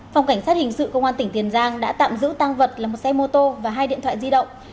phòng cảnh sát hình sự công an tỉnh tiền giang đã tạm giữ tăng vật là một xe mô tô và hai điện thoại di động